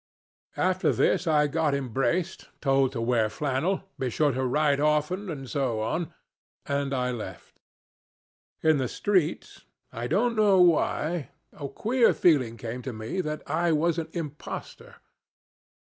"After this I got embraced, told to wear flannel, be sure to write often, and so on and I left. In the street I don't know why a queer feeling came to me that I was an impostor.